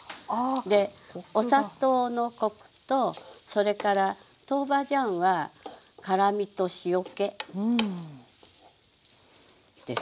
でお砂糖のコクとそれから豆板醤は辛みと塩けです。